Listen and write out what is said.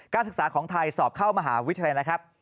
ศึกษาของไทยสอบเข้ามหาวิทยาลัยนะครับ